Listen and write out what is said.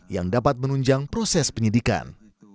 yang dapat menunjang proses penyidikan